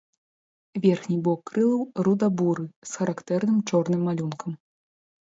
Верхні бок крылаў руда-буры з характэрным чорным малюнкам.